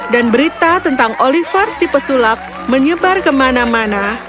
dan berita tentang oliver si pesulap menyebar kemana mana